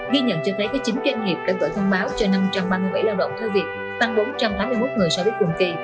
ghi nhận cho thấy có chín doanh nghiệp đã gửi thông báo cho năm trăm ba mươi bảy lao động thư việc tăng bốn trăm tám mươi một người so với cùng kỳ